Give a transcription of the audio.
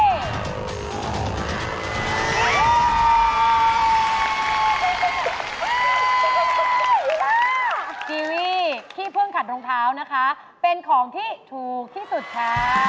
อีวีที่เพิ่งขัดรองเท้าเป็นของที่ถูกที่สุดค่ะ